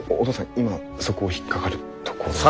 今そこ引っ掛かるところじゃ。